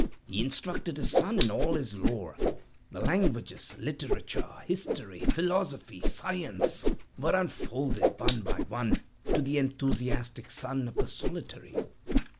He instructed his son in all his lore—the languages, literature, history, philosophy, science, were unfolded, one by one, to the enthusiastic son of the solitary.